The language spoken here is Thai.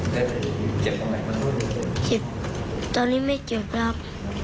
แล้วก็ตีที่มืออีกหนึ่งเทียบ